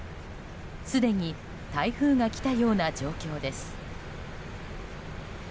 すでに台風が来たような状況です。